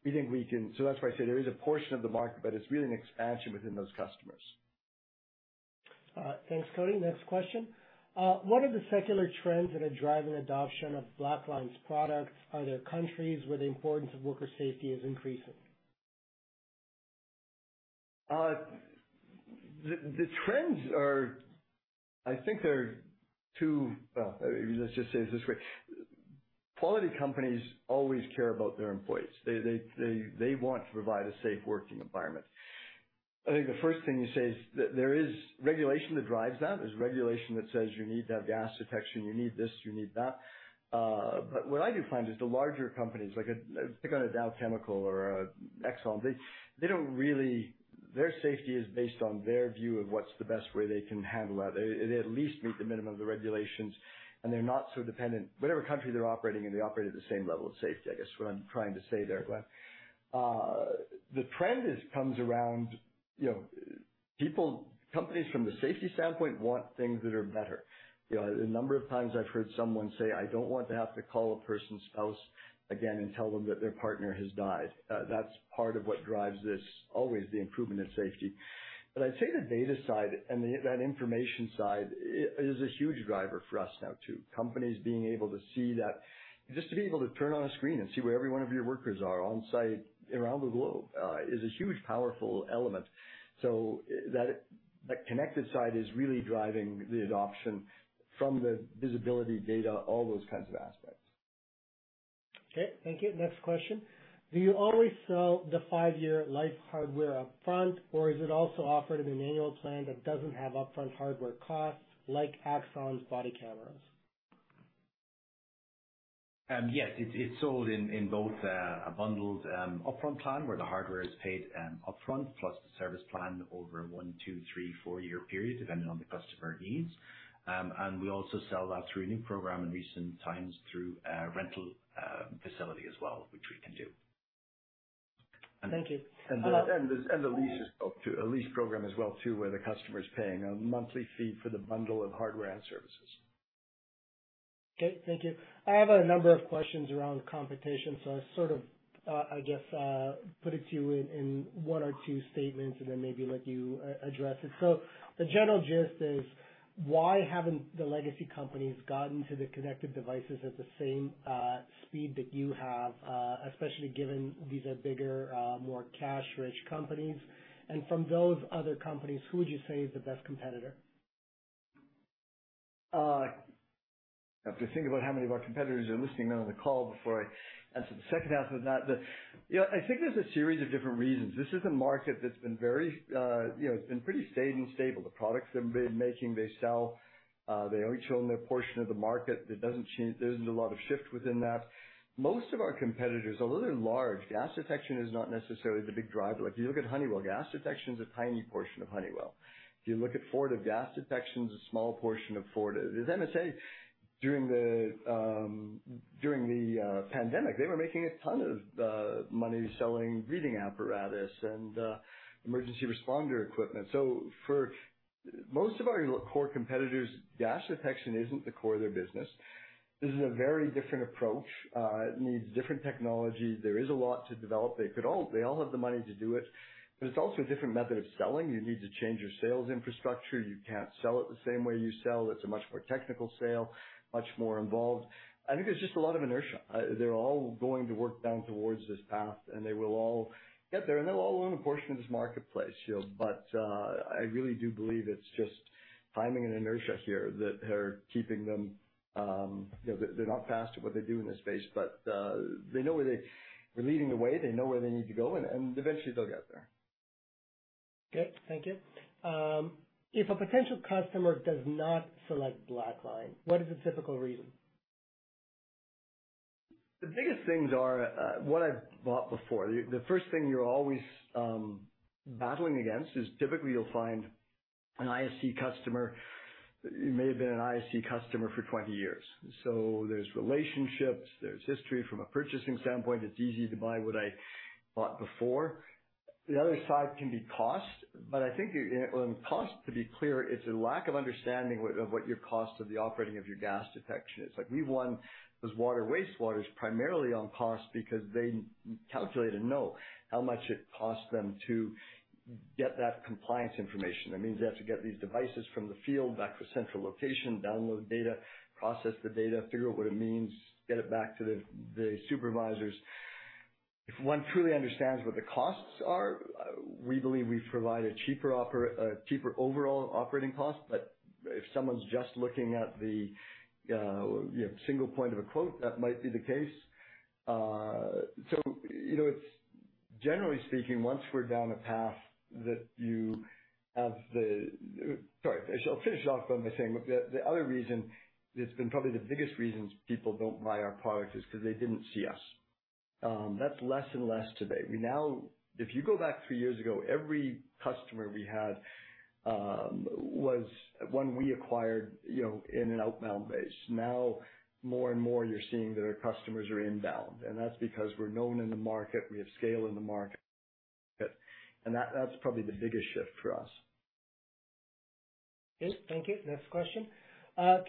We think we can. That's why I say there is a portion of the market, but it's really an expansion within those customers. Thanks, Cody. Next question. What are the secular trends that are driving adoption of Blackline's products? Are there countries where the importance of worker safety is increasing? The trends are, Well, let's just say it this way: Quality companies always care about their employees. They want to provide a safe working environment. I think the first thing you say is that there is regulation that drives that. There's regulation that says you need to have gas detection, you need this, you need that. What I do find is the larger companies, like a Dow Chemical or an ExxonMobil, they don't really. Their safety is based on their view of what's the best way they can handle that. They at least meet the minimum of the regulations, and they're not so dependent. Whatever country they're operating in, they operate at the same level of safety, I guess, what I'm trying to say there, Glen. The trend is, comes around, you know, people, companies from the safety standpoint want things that are better. You know, the number of times I've heard someone say, "I don't want to have to call a person's spouse again and tell them that their partner has died." That's part of what drives this, always the improvement in safety. I'd say the data side and that information side is a huge driver for us now, too. Companies being able to see that. Just to be able to turn on a screen and see where every one of your workers are on site around the globe, is a huge, powerful element. That connected side is really driving the adoption from the visibility, data, all those kinds of aspects. Okay, thank you. Next question: Do you always sell the 5-year life hardware upfront, or is it also offered in an annual plan that doesn't have upfront hardware costs, like Axon's body cameras? Yes, it's sold in both a bundled upfront plan, where the hardware is paid upfront, plus the service plan over one, two, three, four-year period, depending on the customer needs. And we also sell that through a new program in recent times through a rental facility as well, which we can do. Thank you. The lease as well, too. A lease program as well, too, where the customer is paying a monthly fee for the bundle of hardware and services. Okay, thank you. I have a number of questions around competition, so I sort of, I guess, put it to you in 1 or 2 statements, and then maybe let you address it. The general gist is, why haven't the legacy companies gotten to the connected devices at the same speed that you have, especially given these are bigger, more cash-rich companies? From those other companies, who would you say is the best competitor? I have to think about how many of our competitors are listening in on the call before I answer the second half of that. You know, I think there's a series of different reasons. This is a market that's been very, you know, it's been pretty staid and stable. The products they've been making, they sell. They each own their portion of the market. It doesn't change. There isn't a lot of shift within that. Most of our competitors are really large. Gas detection is not necessarily the big driver. If you look at Honeywell, gas detection is a tiny portion of Honeywell. If you look at Fortive, gas detection is a small portion of Fortive. There's MSA, during the pandemic, they were making a ton of money selling reading apparatus and emergency responder equipment. For most of our core competitors, gas detection isn't the core of their business. This is a very different approach. It needs different technology. There is a lot to develop. They all have the money to do it, but it's also a different method of selling. You need to change your sales infrastructure. You can't sell it the same way you sell. It's a much more technical sale, much more involved. I think there's just a lot of inertia. They're all going to work down towards this path, and they will all get there, and they'll all own a portion of this marketplace, you know. I really do believe it's just timing and inertia here that are keeping them, you know... They're not fast at what they do in this space, but they know where we're leading the way, they know where they need to go, and eventually they'll get there. Thank you. If a potential customer does not select Blackline, what is a typical reason? The biggest things are what I've bought before. The first thing you're always battling against is typically you'll find an ISC customer may have been an ISC customer for 20 years. There's relationships, there's history from a purchasing standpoint. It's easy to buy what I bought before. The other side can be cost, I think on cost, to be clear, it's a lack of understanding what your cost of the operating of your gas detection is. Like, we've won those water waste waters primarily on cost because they calculate and know how much it costs them to get that compliance information. That means they have to get these devices from the field back to a central location, download data, process the data, figure out what it means, get it back to the supervisors. If one truly understands what the costs are, we believe we provide a cheaper overall operating cost. If someone's just looking at the, you know, single point of a quote, that might be the case. You know, it's generally speaking, once we're down a path that you have the Sorry, I'll finish off by saying, look, the other reason, it's been probably the biggest reason people don't buy our product is because they didn't see us. That's less and less today. If you go back three years ago, every customer we had, was one we acquired, you know, in an outbound base. More and more, you're seeing that our customers are inbound, and that's because we're known in the market, we have scale in the market, and that's probably the biggest shift for us. Okay, thank you. Next question.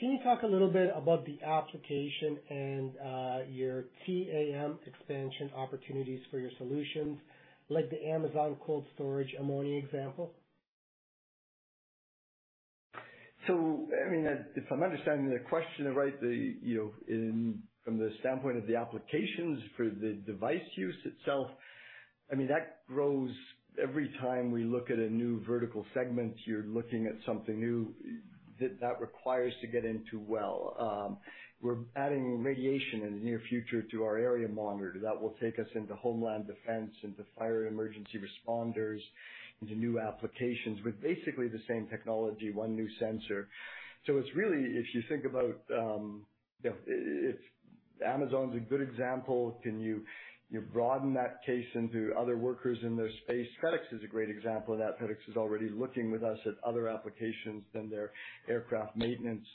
Can you talk a little bit about the application and your TAM expansion opportunities for your solutions, like the Amazon cold storage ammonia example? I mean, if I'm understanding the question right, the, you know, from the standpoint of the applications for the device use itself, I mean, that grows every time we look at a new vertical segment, you're looking at something new that requires to get into well. We're adding radiation in the near future to our area monitor. That will take us into homeland defense, into fire and emergency responders, into new applications with basically the same technology, one new sensor. It's really, if you think about, you know, if Amazon's a good example, can you broaden that case into other workers in their space? FedEx is a great example of that. FedEx is already looking with us at other applications than their aircraft maintenance.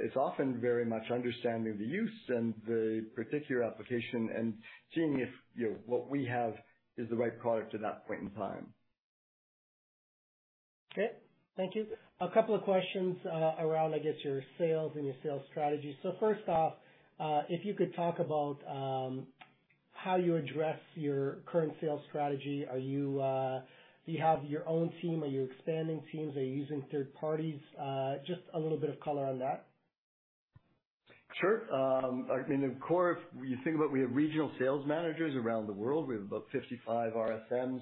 It's often very much understanding the use and the particular application and seeing if, you know, what we have is the right product at that point in time. Okay, thank you. A couple of questions, around, I guess, your sales and your sales strategy. First off, if you could talk about, how you address your current sales strategy. Do you have your own team? Are you expanding teams? Are you using third parties? Just a little bit of color on that. Sure. I mean, the core, if you think about we have regional sales managers around the world. We have about 55 RFMs.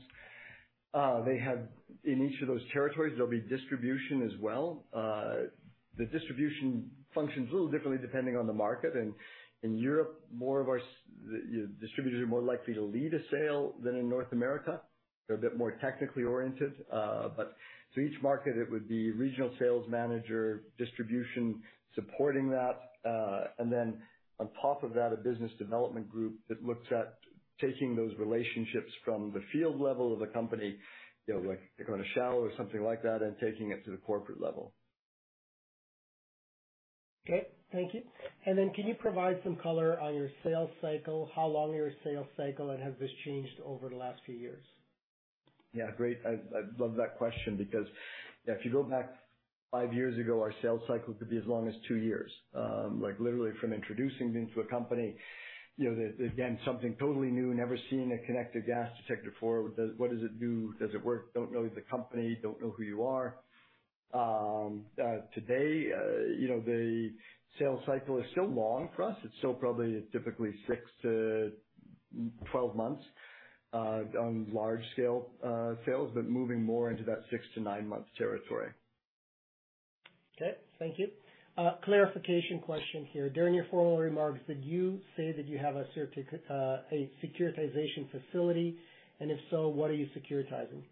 They have, in each of those territories, there'll be distribution as well. The distribution functions a little differently depending on the market, and in Europe, more of our the distributors are more likely to lead a sale than in North America. They're a bit more technically oriented, but so each market, it would be regional sales manager, distribution supporting that, and then on top of that, a business development group that looks at taking those relationships from the field level of the company, you know, like they're going to Shell or something like that, and taking it to the corporate level. Okay, thank you. Can you provide some color on your sales cycle, how long your sales cycle, and has this changed over the last few years? Yeah, great. I love that question because if you go back five years ago, our sales cycle could be as long as two years. Like, literally from introducing them to a company, you know, again, something totally new, never seen a connected gas detector before. What does it do? Does it work? Don't know the company. Don't know who you are. Today, you know, the sales cycle is still long for us. It's still probably typically 6-12 months on large scale sales, but moving more into that 6-9-month territory. Okay, thank you. Clarification question here: During your formal remarks, did you say that you have a securitization facility, and if so, what are you securitizing?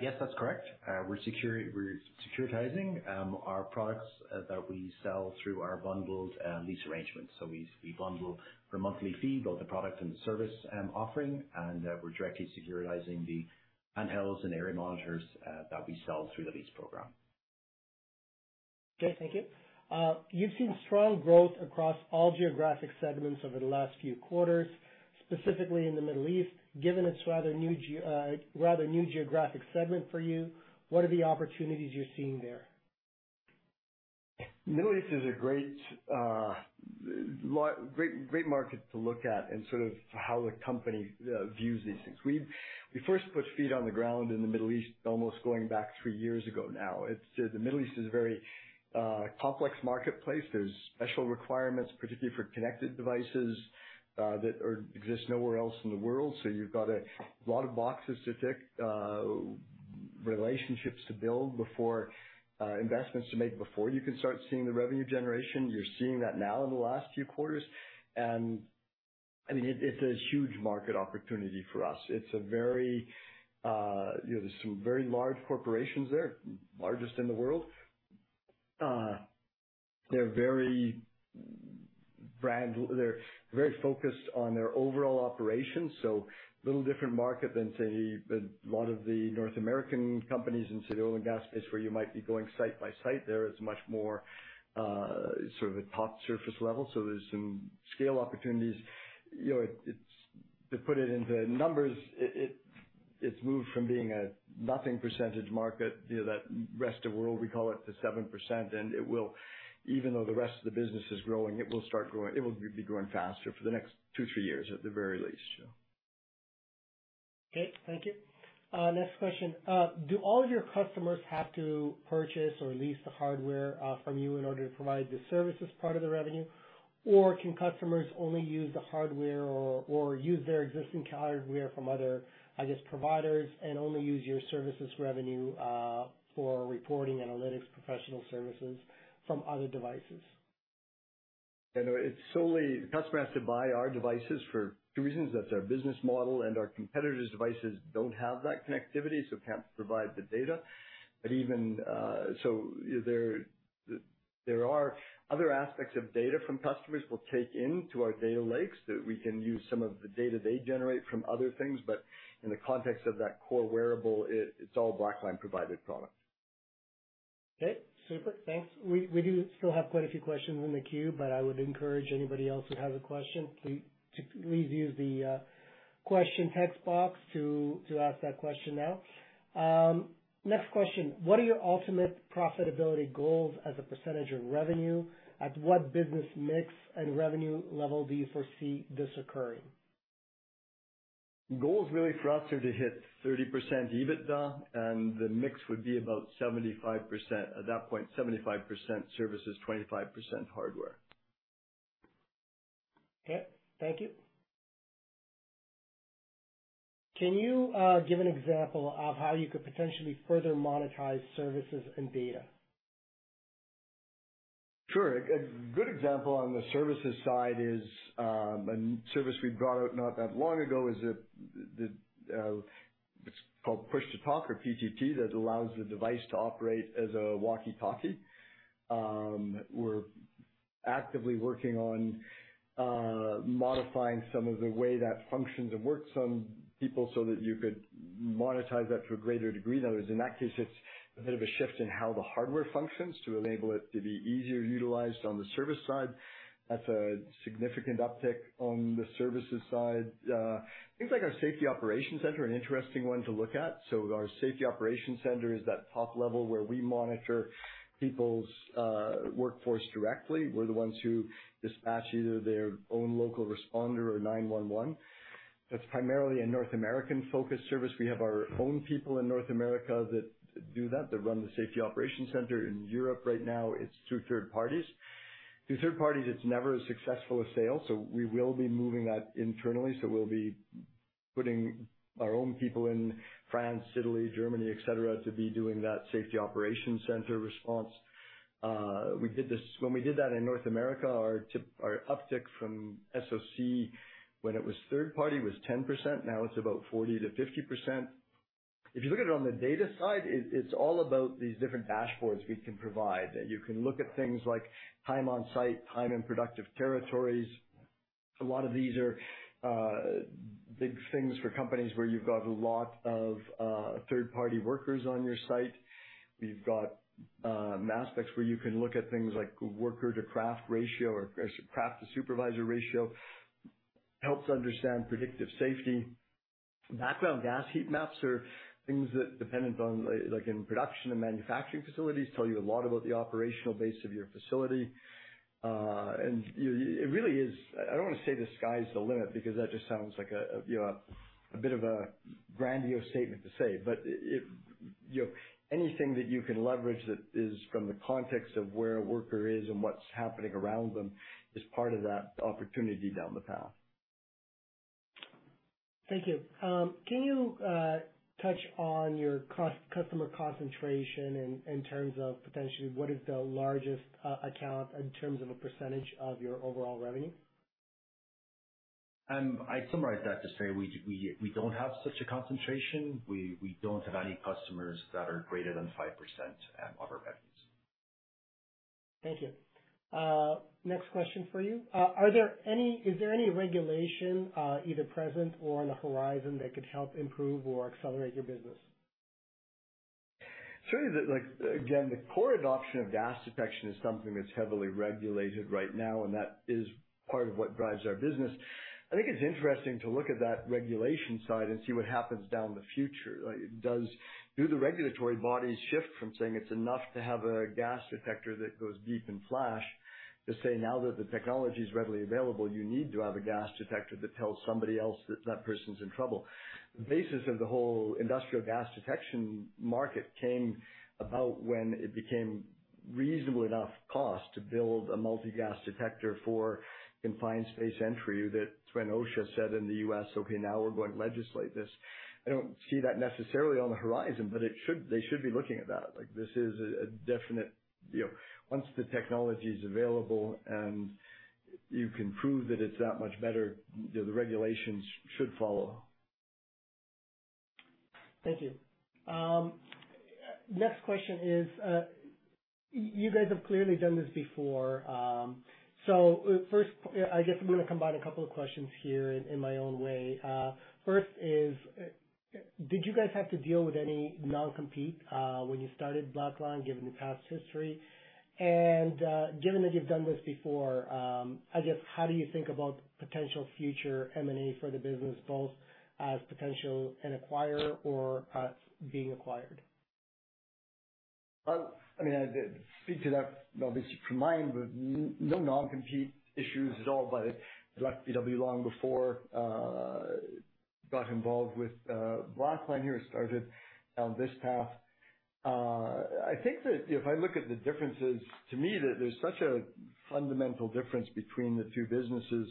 Yes, that's correct. We're securitizing our products that we sell through our bundled lease arrangements. We bundle for a monthly fee, both the product and the service offering, and we're directly securitizing the handhelds and area monitors that we sell through the lease program. Okay, thank you. You've seen strong growth across all geographic segments over the last few quarters, specifically in the Middle East. Given it's a rather new geographic segment for you, what are the opportunities you're seeing there? Middle East is a great market to look at and sort of how the company views these things. We first put feet on the ground in the Middle East, almost going back three years ago now. It's... The Middle East is a very complex marketplace. There's special requirements, particularly for connected devices, that are exist nowhere else in the world. You've got a lot of boxes to tick, relationships to build before investments to make, before you can start seeing the revenue generation. You're seeing that now in the last few quarters, I mean, it's a huge market opportunity for us. It's a very, you know, there's some very large corporations there, largest in the world. They're very brand... They're very focused on their overall operations. A little different market than, say, a lot of the North American companies into the oil and gas space, where you might be going site by site. There, it's much more, sort of a top surface level. There's some scale opportunities. You know, it's moved from being a nothing percentage market, you know, that rest of world, we call it, to 7%. It will, even though the rest of the business is growing, it will start growing, it will be growing faster for the next 2, 3 years at the very least. Okay, thank you. next question. Do all of your customers have to purchase or lease the hardware from you in order to provide the services part of the revenue? Can customers only use the hardware or use their existing hardware from other, I guess, providers, and only use your services revenue for reporting, analytics, professional services from other devices? You know, it's solely the customer has to buy our devices for two reasons. That's our business model. Our competitors' devices don't have that connectivity, so can't provide the data. Even, so there are other aspects of data from customers we'll take into our data lakes, that we can use some of the data they generate from other things, but in the context of that core wearable, it's all Blackline-provided product. Okay, super. Thanks. We do still have quite a few questions in the queue, but I would encourage anybody else who has a question to please use the question text box to ask that question now. Next question: What are your ultimate profitability goals as a percentage of revenue? At what business mix and revenue level do you foresee this occurring? The goals really for us are to hit 30% EBITDA, and the mix would be about 75%, at that point 75% services, 25% hardware. Okay, thank you. Can you give an example of how you could potentially further monetize services and data? Sure. A good example on the services side is a service we brought out not that long ago, it's called push-to-talk, or PTT, that allows the device to operate as a walkie-talkie. We're actively working on modifying some of the way that functions and works on people so that you could monetize that to a greater degree. In other words, in that case, it's a bit of a shift in how the hardware functions to enable it to be easier utilized on the service side. That's a significant uptick on the services side. Things like our Safety Operations Center are an interesting one to look at. Our Safety Operations Center is that top level where we monitor people's workforce directly. We're the ones who dispatch either their own local responder or 911. That's primarily a North American-focused service. We have our own people in North America that do that run the Safety Operations Center. In Europe right now, it's two third parties. Through third parties, it's never as successful a sale, we will be moving that internally. We'll be putting our own people in France, Italy, Germany, et cetera, to be doing that Safety Operations Center response. When we did that in North America, our tip, our uptick from SOC, when it was third party, was 10%, now it's about 40%-50%. If you look at it on the data side, it's all about these different dashboards we can provide, that you can look at things like time on site, time in productive territories. A lot of these are big things for companies where you've got a lot of third-party workers on your site. We've got aspects where you can look at things like worker-to-craft ratio or craft-to-supervisor ratio. Helps understand predictive safety. Background gas heat maps are things that dependent on, like, in production and manufacturing facilities, tell you a lot about the operational base of your facility. It really is... I don't want to say the sky's the limit, because that just sounds like a, you know, a bit of a grandiose statement to say, but it, you know, anything that you can leverage that is from the context of where a worker is and what's happening around them is part of that opportunity down the path. Thank you. Can you touch on your customer concentration in terms of potentially what is the largest account in terms of a % of your overall revenue? I'd summarize that to say we don't have such a concentration. We don't have any customers that are greater than 5% of our revenues. Thank you. Next question for you. Is there any regulation, either present or on the horizon that could help improve or accelerate your business? Certainly, the, like, again, the core adoption of gas detection is something that's heavily regulated right now, and that is part of what drives our business. I think it's interesting to look at that regulation side and see what happens down in the future. Like, Do the regulatory bodies shift from saying it's enough to have a gas detector that goes beep and flash, to say, now that the technology is readily available, you need to have a gas detector that tells somebody else that that person's in trouble? The basis of the whole industrial gas detection market came about when it became reasonable enough cost to build a multi-gas detector for confined space entry, that when OSHA said in the US, "Okay, now we're going to legislate this." I don't see that necessarily on the horizon, but they should be looking at that. Like, this is a definite, you know, once the technology is available and you can prove that it's that much better, the regulations should follow. Thank you. next question is, you guys have clearly done this before. first, I guess I'm going to combine a couple of questions here in my own way. first is, did you guys have to deal with any non-compete, when you started Blackline, given the past history? given that you've done this before, I guess, how do you think about potential future M&A for the business, both as potential an acquirer or as being acquired? Well, I mean, I'd speak to that, obviously, from mine, but no non-compete issues at all. I left BW long before got involved with Blackline here and started down this path. I think that if I look at the differences, to me, there's such a fundamental difference between the two businesses.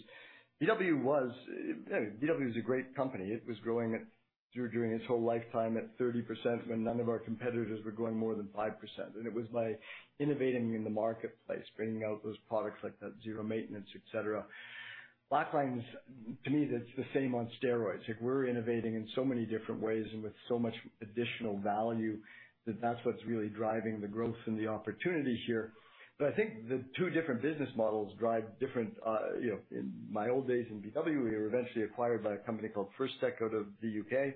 BW was BW is a great company. It was growing during its whole lifetime, at 30%, when none of our competitors were growing more than 5%. It was by innovating in the marketplace, bringing out those products like that zero maintenance, et cetera. Blackline's, to me, that's the same on steroids. We're innovating in so many different ways and with so much additional value, that that's what's really driving the growth and the opportunities here. I think the two different business models drive different, you know. In my old days in BW, we were eventually acquired by a company called First Eco out of the U.K.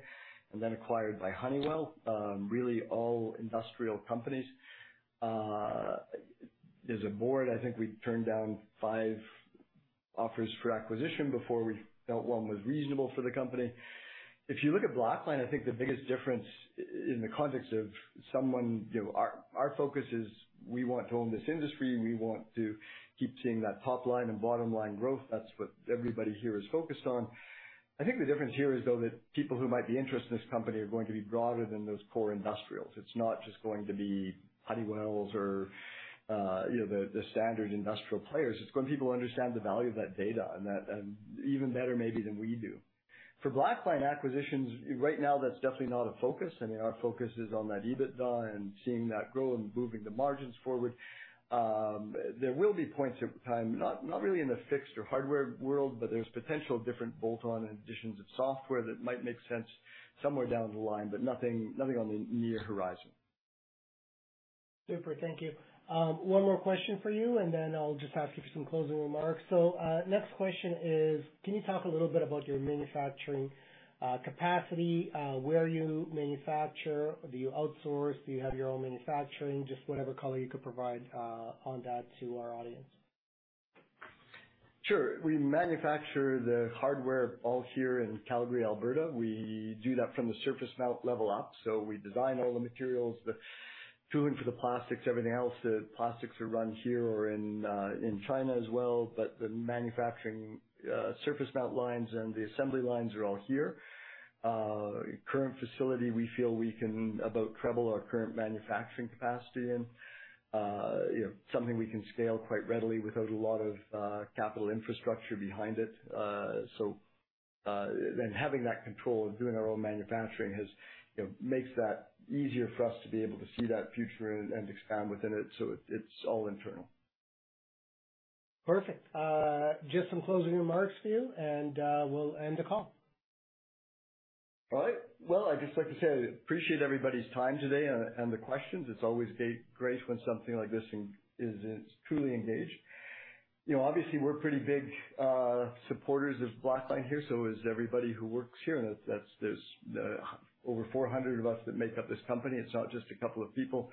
and then acquired by Honeywell. Really all industrial companies. As a board, I think we turned down five offers for acquisition before we felt one was reasonable for the company. If you look at Blackline, I think the biggest difference in the context of someone, you know, our focus is we want to own this industry, and we want to keep seeing that top line and bottom line growth. That's what everybody here is focused on. I think the difference here is, though, that people who might be interested in this company are going to be broader than those core industrials. It's not just going to be Honeywells or, you know, the standard industrial players. It's when people understand the value of that data, and that, and even better maybe than we do. For Blackline acquisitions, right now, that's definitely not a focus. I mean, our focus is on that EBITDA and seeing that grow and moving the margins forward. There will be points at time, not really in the fixed or hardware world, but there's potential different bolt-on and additions of software that might make sense somewhere down the line, but nothing on the near horizon. Super. Thank you. One more question for you, and then I'll just ask you for some closing remarks. Next question is, Can you talk a little bit about your manufacturing capacity, where you manufacture? Do you outsource? Do you have your own manufacturing? Just whatever color you could provide on that to our audience. Sure. We manufacture the hardware all here in Calgary, Alberta. We do that from the surface mount level up. We design all the materials, the tooling for the plastics, everything else. The plastics are run here or in China as well, but the manufacturing, surface mount lines and the assembly lines are all here. Current facility, we feel we can about treble our current manufacturing capacity and, you know, something we can scale quite readily without a lot of capital infrastructure behind it. Having that control and doing our own manufacturing has, you know, makes that easier for us to be able to see that future and expand within it, so it's all internal. Perfect. Just some closing remarks for you. We'll end the call. All right. Well, I'd just like to say I appreciate everybody's time today and the questions. It's always great when something like this is truly engaged. You know, obviously, we're pretty big supporters of Blackline here, so is everybody who works here, and that's, there's over 400 of us that make up this company. It's not just a couple of people.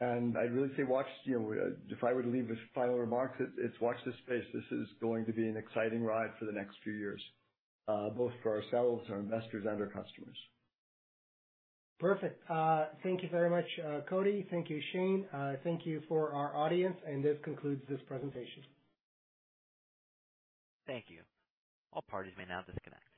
I'd really say watch, you know, if I were to leave with final remarks, it's watch this space. This is going to be an exciting ride for the next few years, both for ourselves, our investors, and our customers. Perfect. Thank you very much, Cody. Thank you, Shane. Thank you for our audience. This concludes this presentation. Thank you. All parties may now disconnect.